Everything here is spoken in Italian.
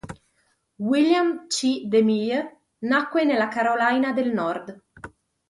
William C. deMille nacque nella Carolina del Nord.